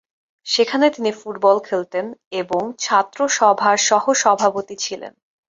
সেখানে তিনি ফুটবল খেলতেন এবং ছাত্র সভার সহ-সভাপতি ছিলেন।